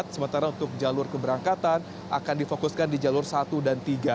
sementara untuk jalur keberangkatan akan difokuskan di jalur satu dan tiga